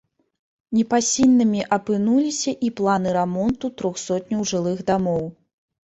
Непасільнымі апынуліся і планы рамонту трох сотняў жылых дамоў.